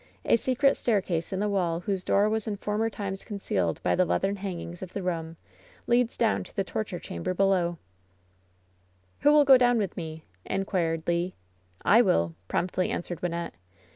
A secret staircase in the wall whose door was in former times concealed by the leathern hangings of the room, leads down to the torture chamber below/ Who will go down with me V^ inquired La "I will,'' promptly answered Wynnette.